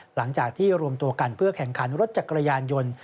หลังจากที่รวมตัวกันเพื่อแข่งขันรถจักรยานยนต์